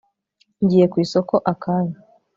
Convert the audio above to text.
ngiye kwisoko akanya